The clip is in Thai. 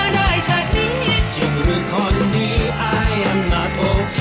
สวัสดีครับ